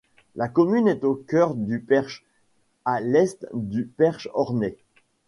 La commune est au cœur du Perche, à l'est du Perche ornais.